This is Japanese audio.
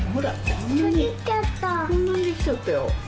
こんなにできちゃったよ。